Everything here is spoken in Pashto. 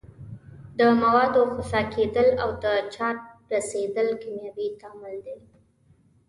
د موادو خسا کیدل او د آچار رسیدل کیمیاوي تعامل دي.